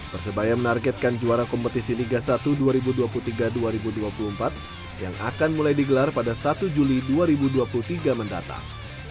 persebaya menargetkan juara kompetisi liga satu dua ribu dua puluh tiga dua ribu dua puluh empat yang akan mulai digelar pada satu juli dua ribu dua puluh tiga mendatang